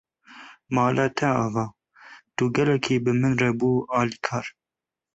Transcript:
Mala te ava, tu gelekî bi min re bû alîkar.